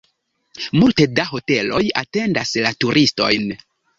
Multe da hoteloj atendas la turistojn.